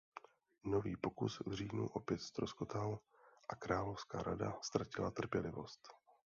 Nový pokus v říjnu opět ztroskotal a Královská rada ztratila trpělivost.